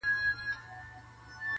هسي وايي بوالعلا په ټوله ژوند -